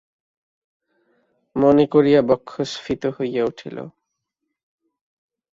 মনে করিয়া বক্ষ স্ফীত হইয়া উঠিল।